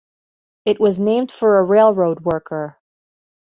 It was named for a railroad worker.